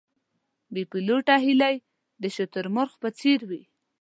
بې الوته هیلۍ د شتر مرغ په څېر وې.